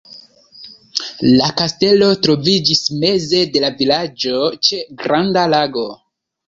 La kastelo troviĝis meze de la vilaĝo ĉe granda lago.